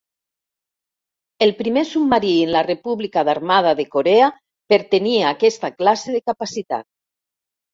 El primer submarí en la República d'Armada de Corea per tenir aquesta classe de capacitat.